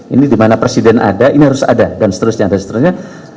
ini dimana presiden ada ini harus ada dan seterusnya dan seterusnya